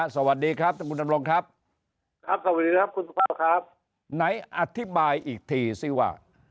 สวัสดีครับท่านคุณดำรงครับครับสวัสดีครับคุณสุภาพครับไหนอธิบายอีกทีสิว่า